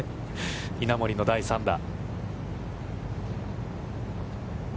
稲森の第３打。